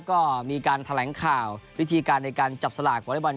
ก็มีการแถลงข่าววิธีการในการจับสลากวอเล็กบอล